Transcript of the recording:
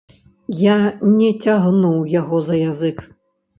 Я не цягнуў яго за язык.